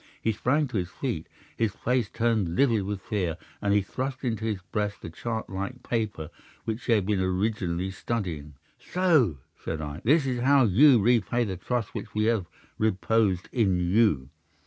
He sprang to his feet, his face turned livid with fear, and he thrust into his breast the chart like paper which he had been originally studying. "'"So!" said I. "This is how you repay the trust which we have reposed in you.